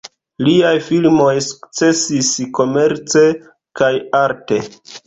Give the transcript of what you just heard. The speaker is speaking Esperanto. Liaj filmoj sukcesis komerce kaj arte.